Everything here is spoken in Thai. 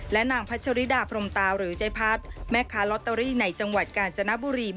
และนางพัชริดาพรหมตาหรือใจพัฒน์